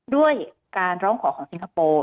ด้วยการร้องขอของสิงคโปร์